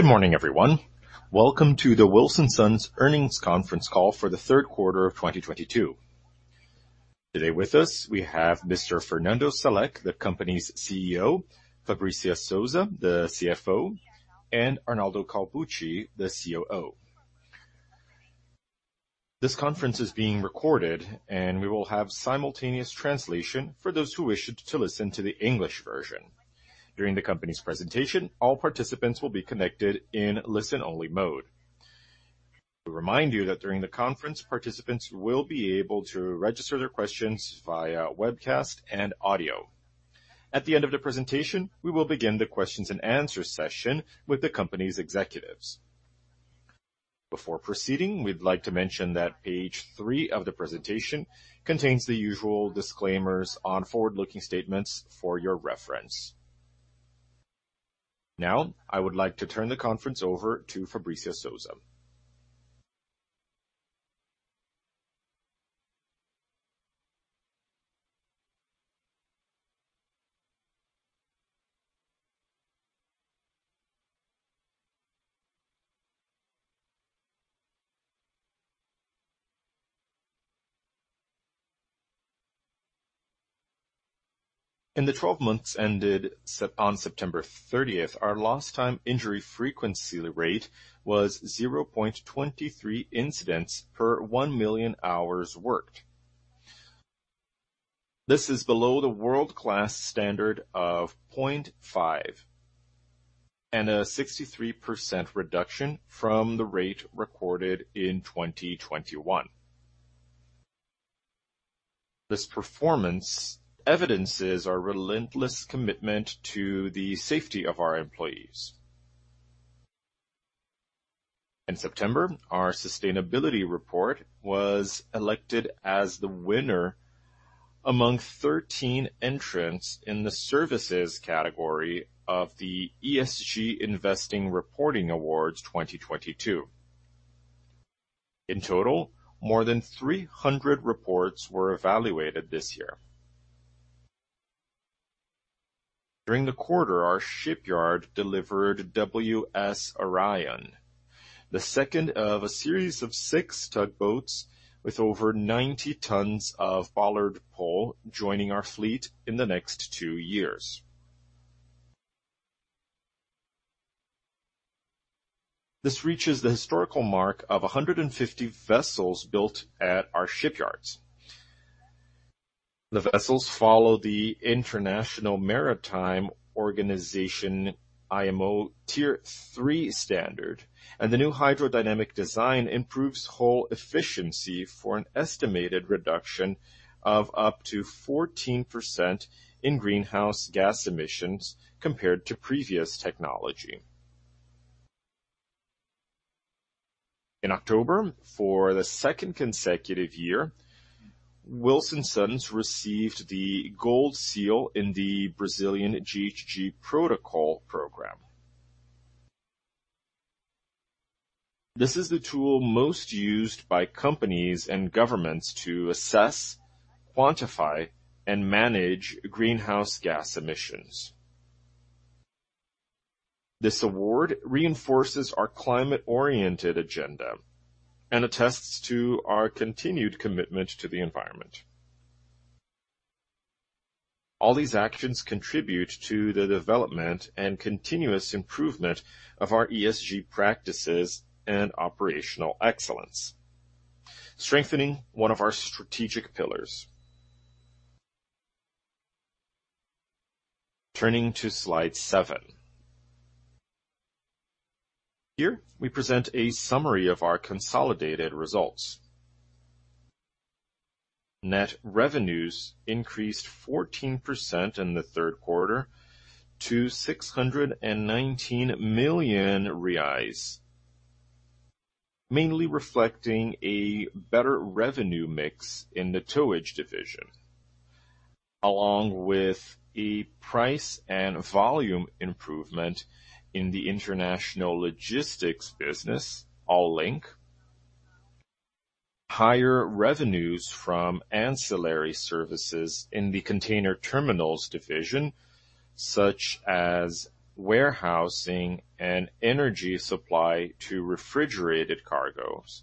Good morning, everyone. Welcome to the Wilson Sons earnings conference call for the third quarter of 2022. Today with us, we have Mr. Fernando Salek, the company's CEO, Fabricia Souza, the CFO, and Arnaldo Calbucci, the COO. This conference is being recorded, and we will have simultaneous translation for those who wish to listen to the English version. During the company's presentation, all participants will be connected in listen-only mode. To remind you that during the conference, participants will be able to register their questions via webcast and audio. At the end of the presentation, we will begin the questions and answer session with the company's executives. Before proceeding, we'd like to mention that page three of the presentation contains the usual disclaimers on forward-looking statements for your reference. Now, I would like to turn the conference over to Fabricia Souza. In the 12 months ended on September 30th, our lost time injury frequency rate was 0.23 incidents per 1,000,000 hours worked. This is below the world-class standard of 0.5 and a 63% reduction from the rate recorded in 2021. This performance evidences our relentless commitment to the safety of our employees. In September, our sustainability report was elected as the winner among 13 entrants in the services category of the ESG Investing Reporting Awards 2022. In total, more than 300 reports were evaluated this year. During the quarter, our shipyard delivered WS Orion, the second of a series of 6 tugboats with over 90 tons of bollard pull joining our fleet in the next two years. This reaches the historical mark of 150 vessels built at our shipyards. The vessels follow the International Maritime Organization IMO Tier III standard, and the new hydrodynamic design improves whole efficiency for an estimated reduction of up to 14% in greenhouse gas emissions compared to previous technology. In October, for the second consecutive year, Wilson Sons received the Gold Seal in the Brazilian GHG Protocol Program. This is the tool most used by companies and governments to assess, quantify, and manage greenhouse gas emissions. This award reinforces our climate-oriented agenda and attests to our continued commitment to the environment. All these actions contribute to the development and continuous improvement of our ESG practices and operational excellence, strengthening one of our strategic pillars. Turning to slide seven. Here, we present a summary of our consolidated results. Net revenues increased 14% in the third quarter to 619 million reais, mainly reflecting a better revenue mix in the towage division, along with a price and volume improvement in the international logistics business, Allink, higher revenues from ancillary services in the container terminals division, such as warehousing and energy supply to refrigerated cargos,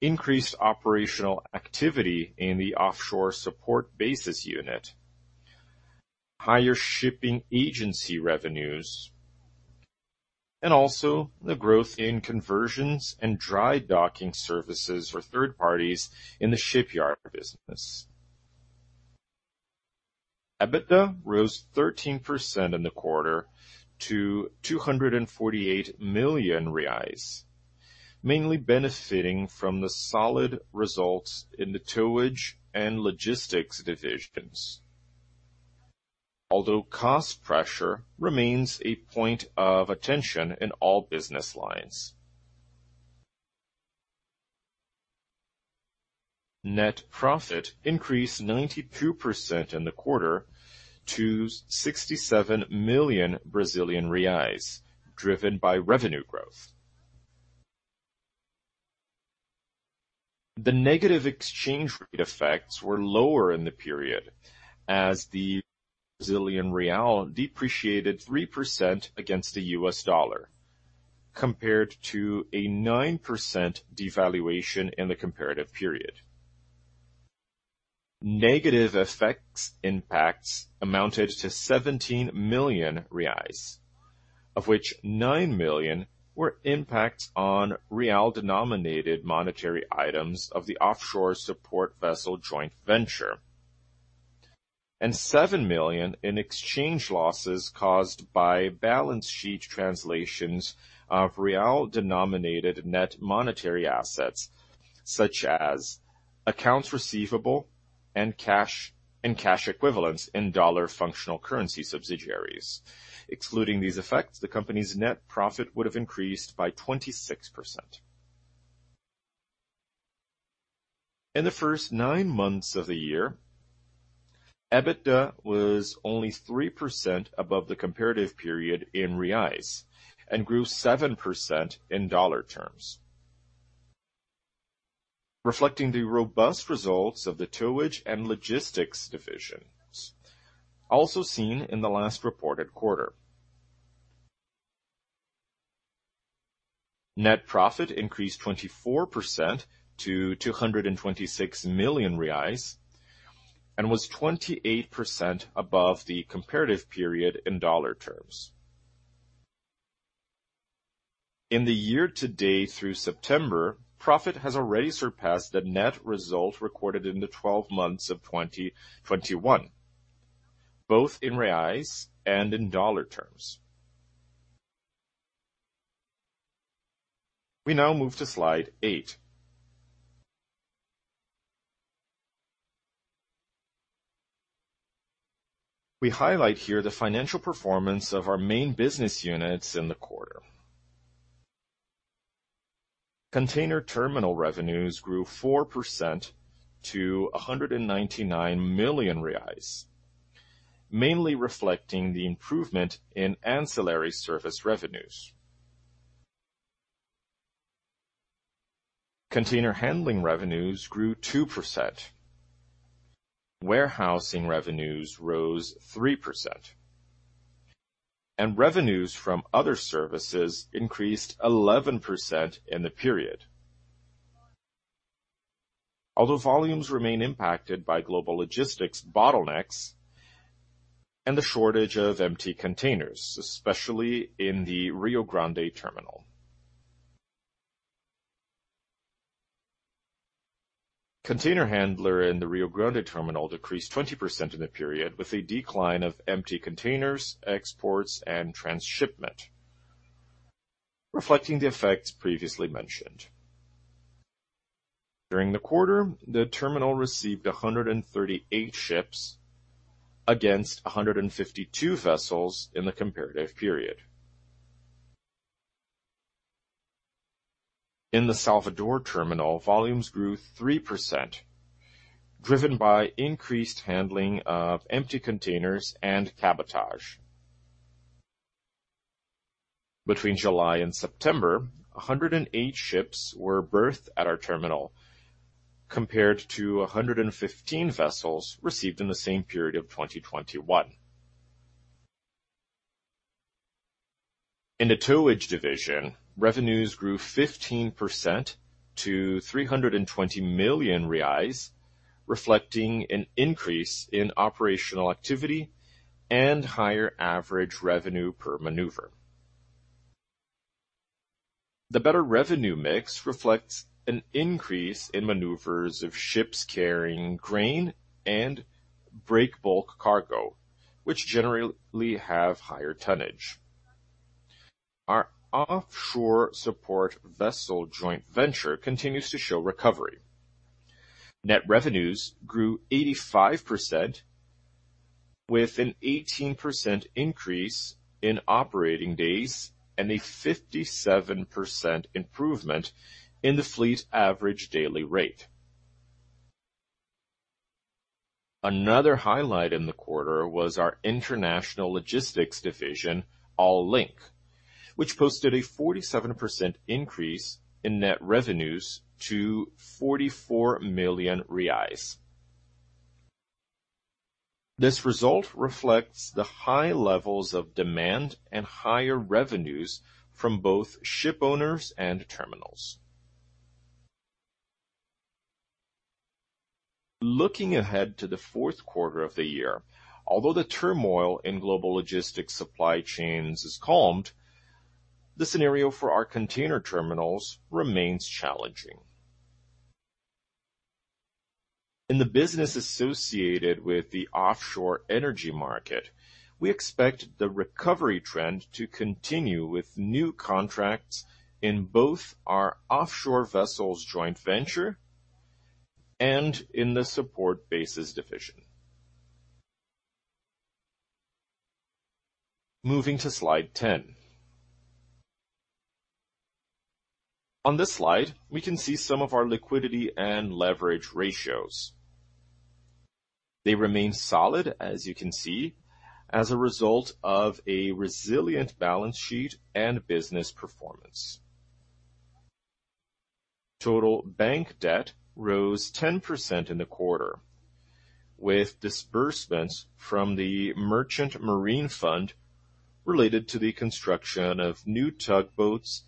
increased operational activity in the offshore support vessels unit, higher shipping agency revenues, and also the growth in conversions and dry docking services for third parties in the shipyard business. EBITDA rose 13% in the quarter to 248 million reais, mainly benefiting from the solid results in the towage and logistics divisions. Although cost pressure remains a point of attention in all business lines. Net profit increased 92% in the quarter to 67 million Brazilian reais, driven by revenue growth. The negative exchange rate effects were lower in the period as the Brazilian real depreciated 3% against the US dollar, compared to a 9% devaluation in the comparative period. Negative effects impacts amounted to 17 million reais, of which 9 million were impacts on real denominated monetary items of the offshore support vessel joint venture, and 7 million in exchange losses caused by balance sheet translations of real denominated net monetary assets such as accounts receivable and cash, and cash equivalents in dollar functional currency subsidiaries. Excluding these effects, the company's net profit would have increased by 26%. In the first nine months of the year, EBITDA was only 3% above the comparative period in reais and grew 7% in US dollar terms, reflecting the robust results of the Towage and Logistics divisions also seen in the last reported quarter. Net profit increased 24% to 226 million reais, and was 28% above the comparative period in US dollar terms. In the year to date through September, profit has already surpassed the net result recorded in the 12 months of 2021, both in reais and in US dollar terms. We now move to slide 8. We highlight here the financial performance of our main business units in the quarter. Container terminal revenues grew 4% to 199 million reais, mainly reflecting the improvement in ancillary service revenues. Container handling revenues grew 2%. Warehousing revenues rose 3%, and revenues from other services increased 11% in the period. Although volumes remain impacted by global logistics bottlenecks and the shortage of empty containers, especially in the Tecon Rio Grande. Container handling in the Tecon Rio Grande decreased 20% in the period with a decline of empty containers, exports, and transshipment, reflecting the effects previously mentioned. During the quarter, the terminal received 138 ships against 152 vessels in the comparative period. In the Salvador Terminal, volumes grew 3%, driven by increased handling of empty containers and cabotage. Between July and September, 108 ships were berthed at our terminal, compared to 115 vessels received in the same period of 2021. In the Towage division, revenues grew 15% to 320 million reais, reflecting an increase in operational activity and higher average revenue per maneuver. The better revenue mix reflects an increase in maneuvers of ships carrying grain and breakbulk cargo, which generally have higher tonnage. Our offshore support vessel joint venture continues to show recovery. Net revenues grew 85% with an 18% increase in operating days and a 57% improvement in the fleet's average daily rate. Another highlight in the quarter was our international logistics division, Allink, which posted a 47% increase in net revenues to 44 million reais. This result reflects the high levels of demand and higher revenues from both ship owners and terminals. Looking ahead to the fourth quarter of the year, although the turmoil in global logistics supply chains is calmed, the scenario for our container terminals remains challenging. In the business associated with the offshore energy market, we expect the recovery trend to continue with new contracts in both our offshore vessels joint venture and in the support bases division. Moving to slide 10. On this slide, we can see some of our liquidity and leverage ratios. They remain solid, as you can see, as a result of a resilient balance sheet and business performance. Total bank debt rose 10% in the quarter, with disbursements from the Merchant Marine Fund related to the construction of new tugboats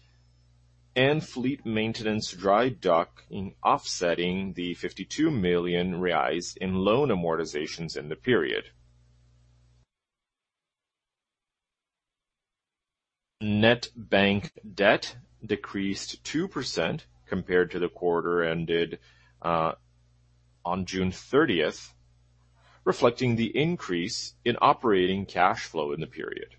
and fleet maintenance dry dock, offsetting the 52 million reais in loan amortizations in the period. Net bank debt decreased 2% compared to the quarter ended on June 30th, reflecting the increase in operating cash flow in the period.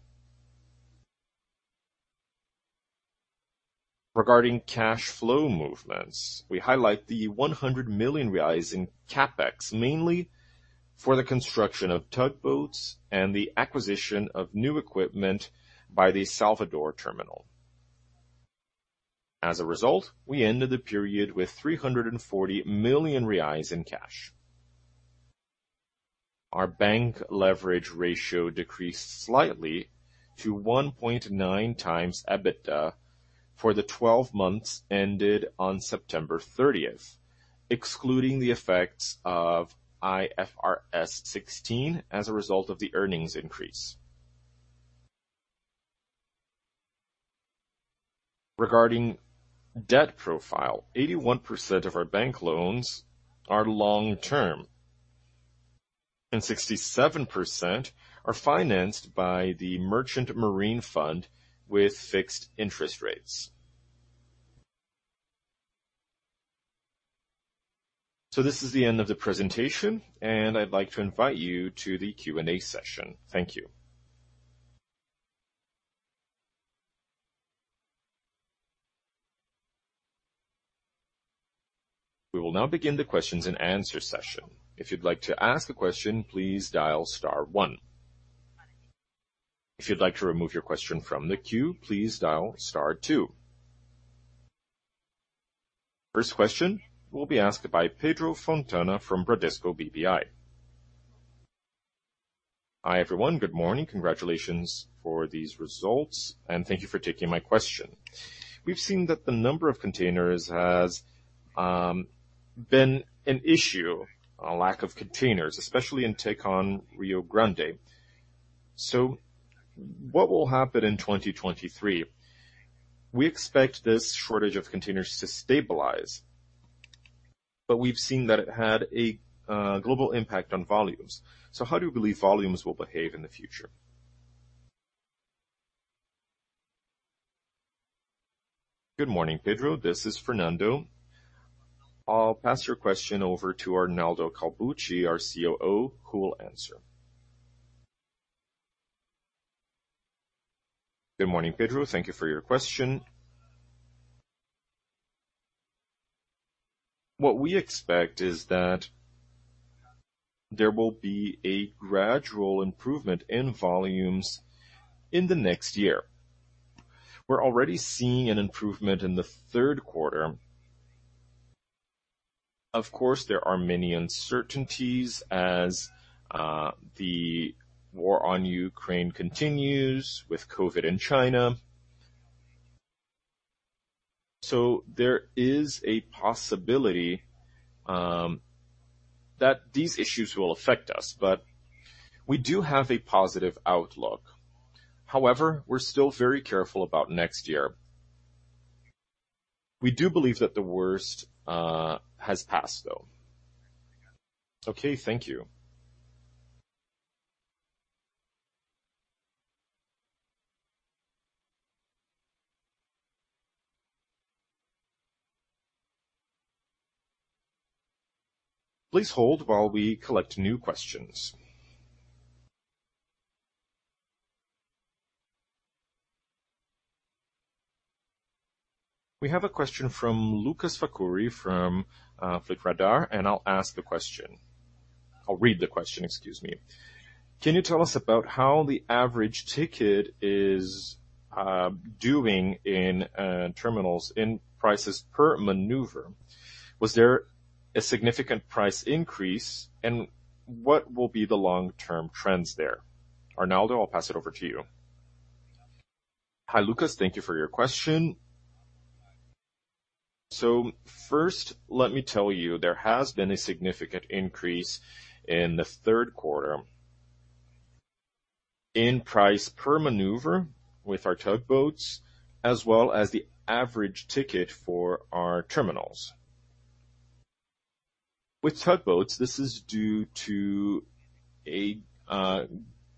Regarding cash flow movements, we highlight the 100 million reais in CapEx, mainly for the construction of tugboats and the acquisition of new equipment by the Salvador terminal. As a result, we ended the period with 340 million reais in cash. Our bank leverage ratio decreased slightly to 1.9x EBITDA for the 12 months ended on September 30, excluding the effects of IFRS 16 as a result of the earnings increase. Regarding debt profile, 81% of our bank loans are long-term, and 67% are financed by the Merchant Marine Fund with fixed interest rates. This is the end of the presentation, and I'd like to invite you to the Q&A session. Thank you. We will now begin the question and answer session. If you'd like to ask a question, please dial star one. If you'd like to remove your question from the queue, please dial star two. First question will be asked by Pedro Fontana from Bradesco BBI. Hi, everyone. Good morning. Congratulations for these results, and thank you for taking my question. We've seen that the number of containers has been an issue on lack of containers, especially in Tecon Rio Grande. What will happen in 2023? We expect this shortage of containers to stabilize, but we've seen that it had a global impact on volumes. How do you believe volumes will behave in the future? Good morning, Pedro. This is Fernando. I'll pass your question over to Arnaldo Calbucci, our COO, who will answer. Good morning, Pedro. Thank you for your question. What we expect is that there will be a gradual improvement in volumes in the next year. We're already seeing an improvement in the third quarter. Of course, there are many uncertainties as the war on Ukraine continues with COVID in China. There is a possibility that these issues will affect us, but we do have a positive outlook. However, we're still very careful about next year. We do believe that the worst has passed, though. Okay. Thank you. Please hold while we collect new questions. We have a question from Lucas Facuri from BTG Pactual, and I'll ask the question. I'll read the question, excuse me. Can you tell us about how the average ticket is doing in terminals in prices per maneuver? Was there a significant price increase, and what will be the long-term trends there? Arnaldo, I'll pass it over to you. Hi, Lucas. Thank you for your question. First, let me tell you there has been a significant increase in the third quarter in price per maneuver with our tugboats, as well as the average ticket for our terminals. With tugboats, this is due to a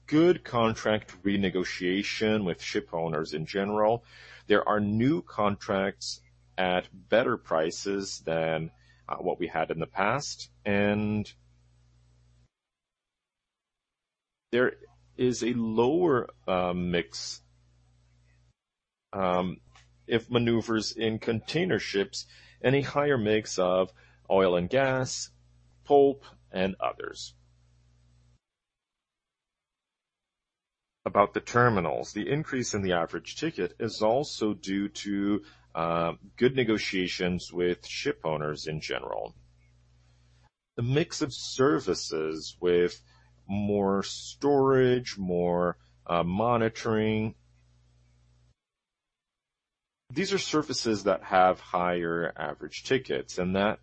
good contract renegotiation with ship owners in general. There are new contracts at better prices than what we had in the past, and there is a lower mix of maneuvers in container ships and a higher mix of oil and gas, pulp, and others. About the terminals, the increase in the average ticket is also due to good negotiations with ship owners in general. The mix of services with more storage, more monitoring, these are services that have higher average tickets, and that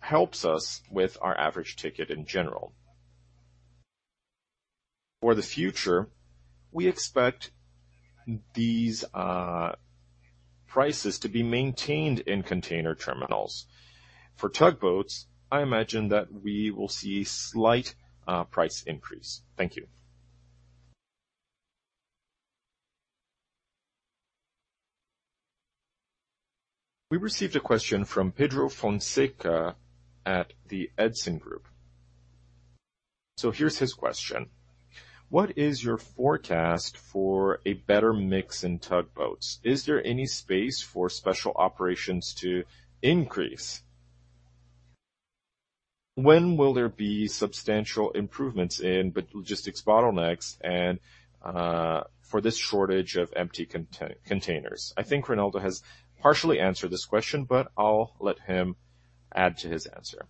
helps us with our average ticket in general. For the future, we expect these prices to be maintained in container terminals. For tugboats, I imagine that we will see slight price increase. Thank you. We received a question from Pedro Fonseca at the Edson Group. Here's his question: What is your forecast for a better mix in tugboats? Is there any space for special operations to increase? When will there be substantial improvements in logistics bottlenecks and for this shortage of empty containers? I think Arnaldo has partially answered this question, but I'll let him add to his answer.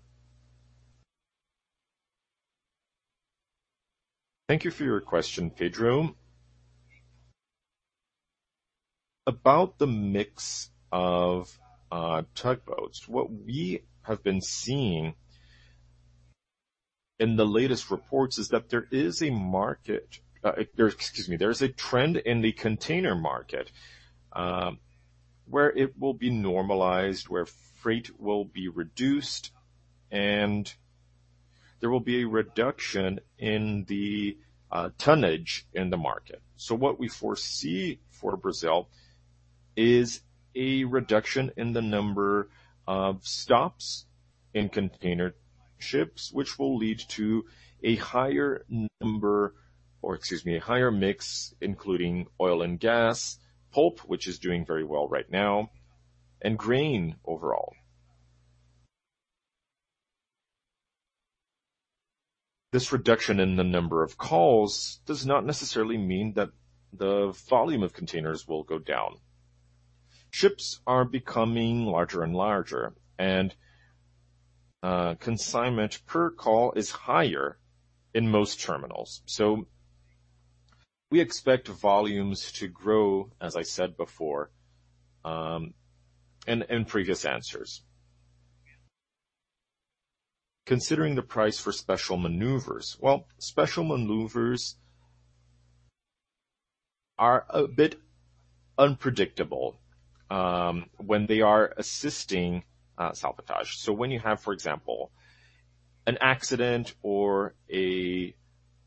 Thank you for your question, Pedro. About the mix of tugboats, what we have been seeing in the latest reports is that there is a market. Excuse me. There's a trend in the container market where it will be normalized, where freight will be reduced, and there will be a reduction in the tonnage in the market. What we foresee for Brazil is a reduction in the number of stops in container ships, which will lead to a higher mix, including oil and gas, pulp, which is doing very well right now, and grain overall. This reduction in the number of calls does not necessarily mean that the volume of containers will go down. Ships are becoming larger and larger, and consignment per call is higher in most terminals. We expect volumes to grow, as I said before, in previous answers. Considering the price for special maneuvers. Well, special maneuvers are a bit unpredictable when they are assisting salvage. When you have, for example, an accident or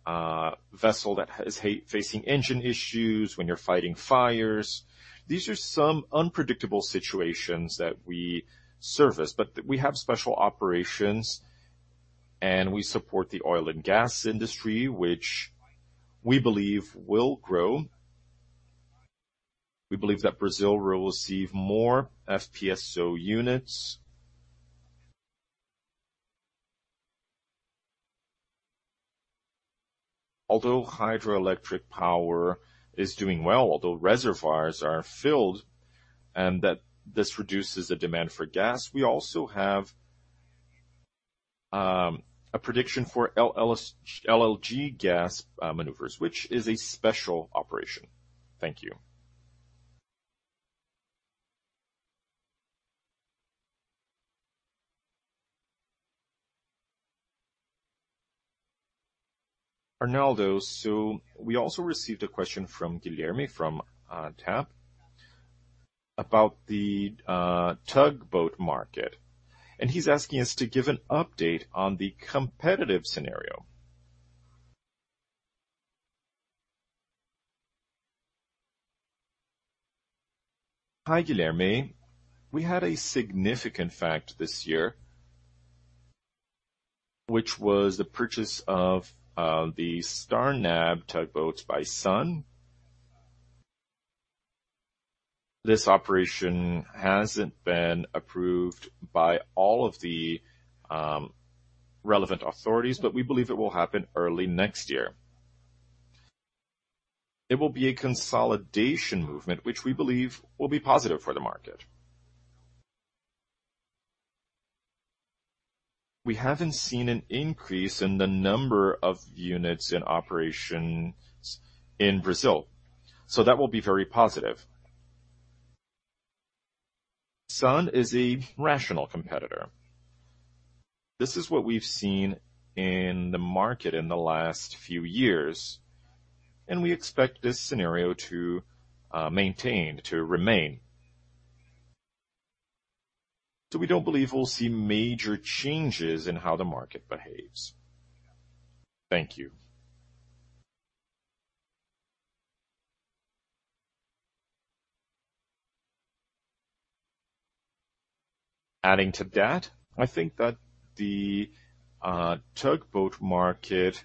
a vessel that is facing engine issues, when you're fighting fires, these are some unpredictable situations that we service. We have special operations, and we support the oil and gas industry, which we believe will grow. We believe that Brazil will receive more FPSO units. Although hydroelectric power is doing well, although reservoirs are filled and that this reduces the demand for gas, we also have a prediction for LNG gas maneuvers, which is a special operation. Thank you. Arnaldo, we also received a question from Guilherme from BTG Pactual about the tugboat market, and he's asking us to give an update on the competitive scenario. Hi, Guilherme. We had a significant fact this year, which was the purchase of the Starnav tugboats by Svitzer. This operation hasn't been approved by all of the relevant authorities, but we believe it will happen early next year. It will be a consolidation movement, which we believe will be positive for the market. We haven't seen an increase in the number of units in operations in Brazil, so that will be very positive. Svitzer is a rational competitor. This is what we've seen in the market in the last few years, and we expect this scenario to maintain, to remain. We don't believe we'll see major changes in how the market behaves. Thank you. Adding to that, I think that the tugboat market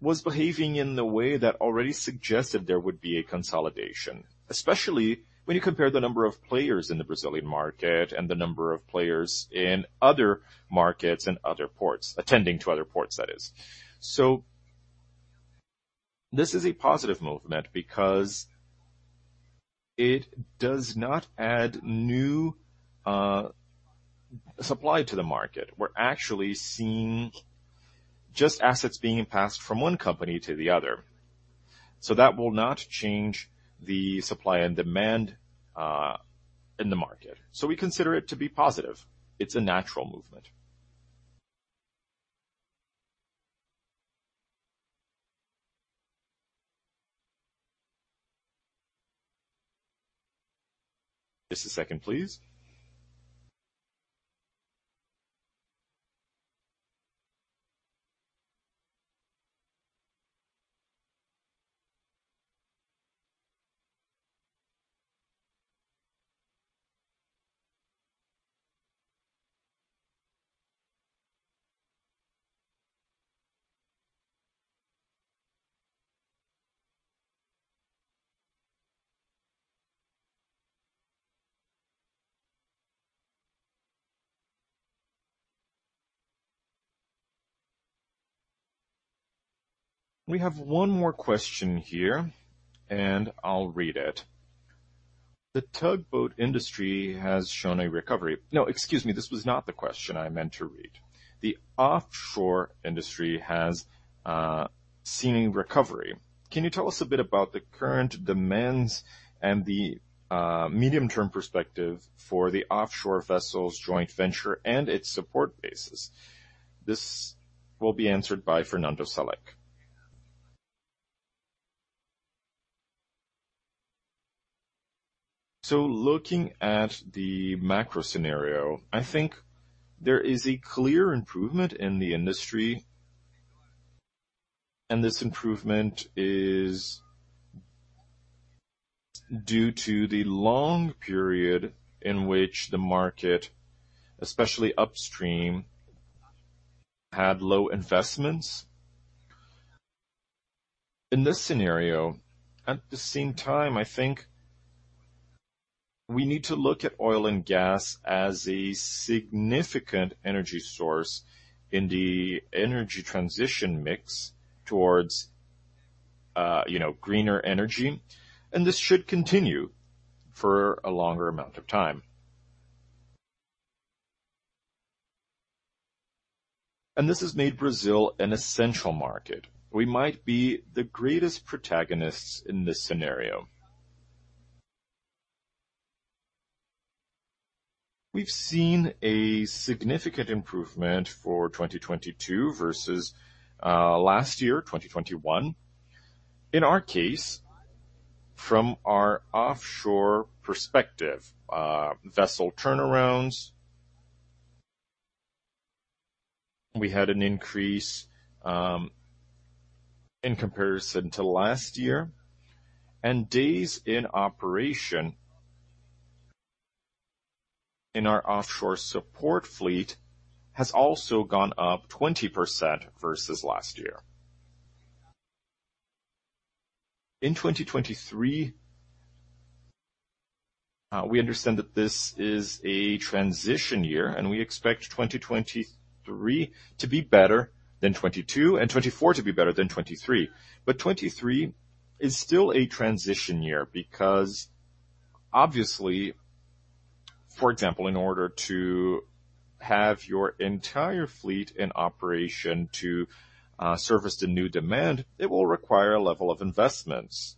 was behaving in the way that already suggested there would be a consolidation, especially when you compare the number of players in the Brazilian market and the number of players in other markets and other ports, attending to other ports, that is. This is a positive movement because it does not add new supply to the market. We're actually seeing just assets being passed from one company to the other. That will not change the supply and demand in the market. We consider it to be positive. It's a natural movement. Just a second, please. We have one more question here, and I'll read it. The offshore industry has seen recovery. Can you tell us a bit about the current demands and the medium-term perspective for the offshore vessels joint venture and its support bases? This will be answered by Fernando Salek. Looking at the macro scenario, I think there is a clear improvement in the industry, and this improvement is due to the long period in which the market, especially upstream, had low investments. In this scenario, at the same time, I think we need to look at oil and gas as a significant energy source in the energy transition mix towards, you know, greener energy, and this should continue for a longer amount of time. This has made Brazil an essential market. We might be the greatest protagonists in this scenario. We've seen a significant improvement for 2022 versus last year, 2021. In our case, from our offshore perspective, vessel turnarounds, we had an increase in comparison to last year, and days in operation in our offshore support fleet has also gone up 20% versus last year. In 2023, we understand that this is a transition year, and we expect 2023 to be better than 2022 and 2024 to be better than 2023. 2023 is still a transition year because obviously, for example, in order to have your entire fleet in operation to service the new demand, it will require a level of investments.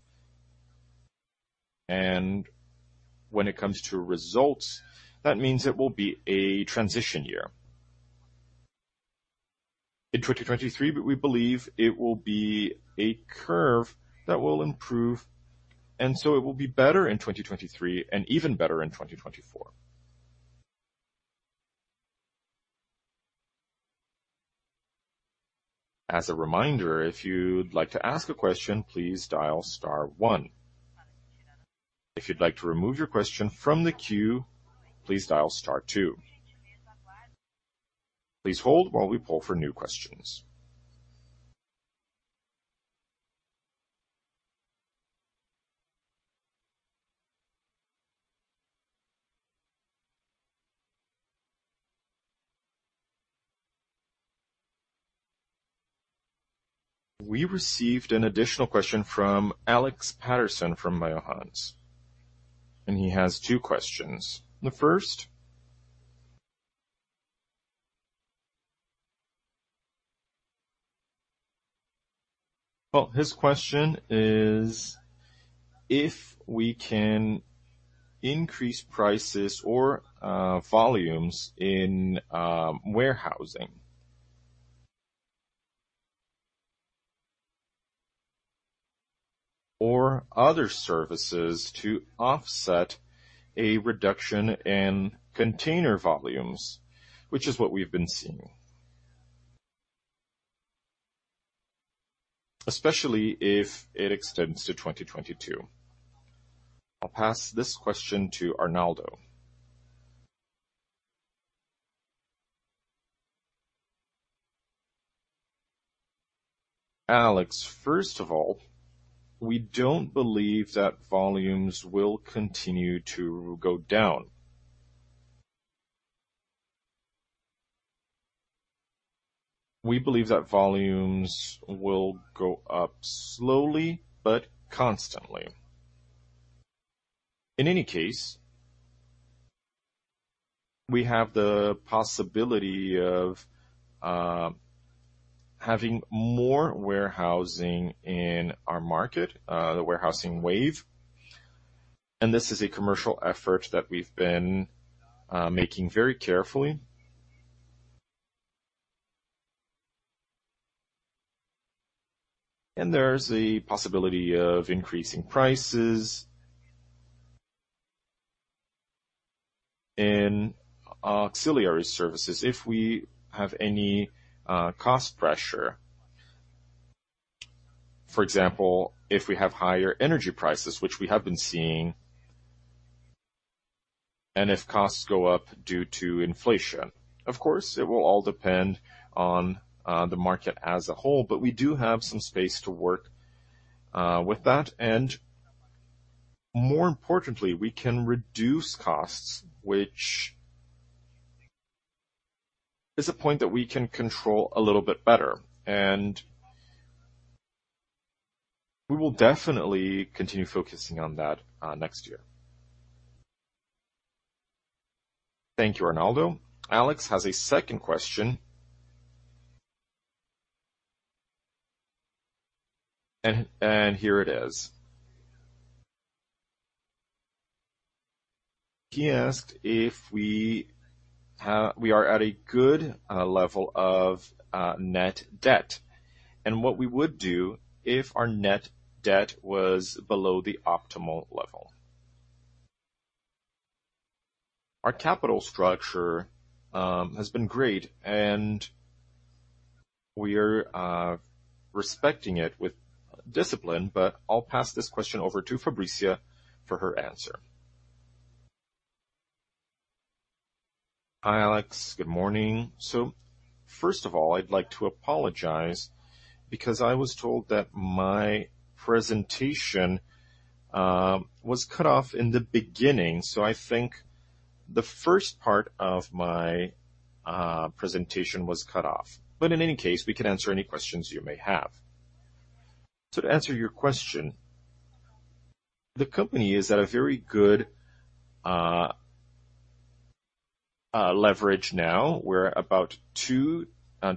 When it comes to results, that means it will be a transition year. In 2023, we believe it will be a curve that will improve, and so it will be better in 2023 and even better in 2024. As a reminder, if you'd like to ask a question, please dial star one. If you'd like to remove your question from the queue, please dial star two. Please hold while we pull for new questions. We received an additional question from Alex Paterson from Peel Hunt, and he has two questions. The first...Well, his question is if we can increase prices or volumes in warehousing or other services to offset a reduction in container volumes, which is what we've been seeing, especially if it extends to 2022. I'll pass this question to Arnaldo. Alex, first of all, we don't believe that volumes will continue to go down. We believe that volumes will go up slowly but constantly. In any case, we have the possibility of having more warehousing in our market, the warehousing wave, and this is a commercial effort that we've been making very carefully. There's a possibility of increasing prices in auxiliary services if we have any cost pressure. For example, if we have higher energy prices, which we have been seeing, and if costs go up due to inflation. Of course, it will all depend on the market as a whole, but we do have some space to work with that. More importantly, we can reduce costs, which is a point that we can control a little bit better, and we will definitely continue focusing on that next year. Thank you, Arnaldo. Alex has a second question. Here it is. He asked if we are at a good level of net debt and what we would do if our net debt was below the optimal level. Our capital structure has been great, and we are respecting it with discipline, but I'll pass this question over to Fabricia for her answer. Hi, Alex. Good morning. First of all, I'd like to apologize because I was told that my presentation was cut off in the beginning, so I think the first part of my presentation was cut off. But in any case, we can answer any questions you may have. To answer your question, the company is at a very good leverage now. We're about two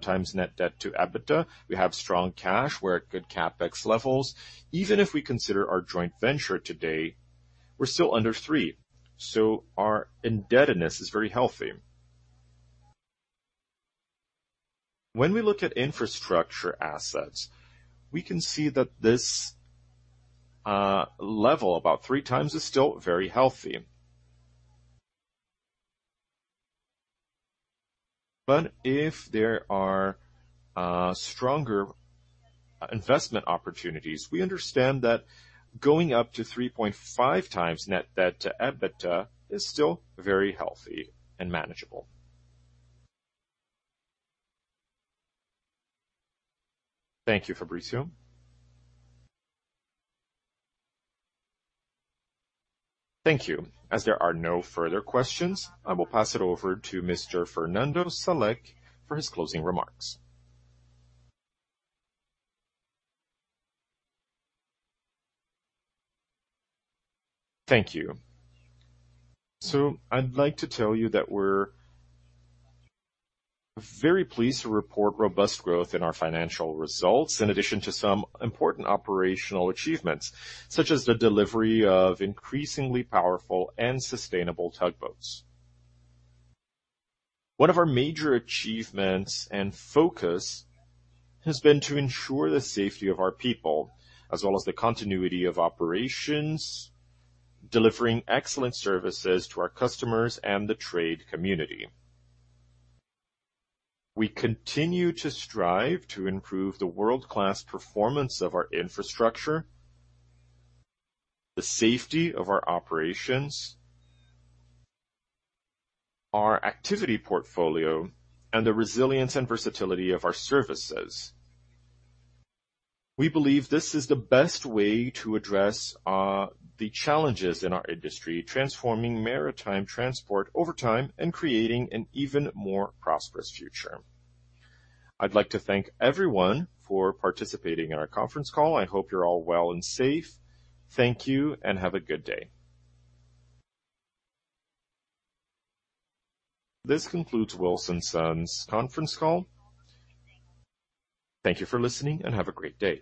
times net debt to EBITDA. We have strong cash. We're at good CapEx levels. Even if we consider our joint venture today, we're still under three, so our indebtedness is very healthy. When we look at infrastructure assets, we can see that this level, about three times, is still very healthy. But if there are stronger investment opportunities, we understand that going up to 3.5 times net debt to EBITDA is still very healthy and manageable. Thank you, Fabricia. Thank you. As there are no further questions, I will pass it over to Mr. Fernando Salek for his closing remarks. Thank you. I'd like to tell you that we're very pleased to report robust growth in our financial results in addition to some important operational achievements, such as the delivery of increasingly powerful and sustainable tugboats. One of our major achievements and focus has been to ensure the safety of our people, as well as the continuity of operations, delivering excellent services to our customers and the trade community. We continue to strive to improve the world-class performance of our infrastructure, the safety of our operations, our activity portfolio, and the resilience and versatility of our services. We believe this is the best way to address the challenges in our industry, transforming maritime transport over time and creating an even more prosperous future. I'd like to thank everyone for participating in our conference call. I hope you're all well and safe. Thank you, and have a good day. This concludes Wilson Sons' conference call. Thank you for listening, and have a great day.